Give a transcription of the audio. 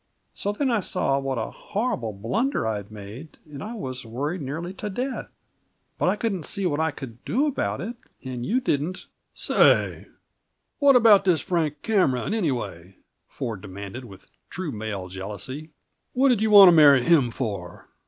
So then I saw what a horrible blunder I'd made, and I was worried nearly to death! But I couldn't see what I could do about it, and you didn't " "Say, what about this Frank Cameron, anyway?" Ford demanded, with true male jealousy. "What did you want to marry him for?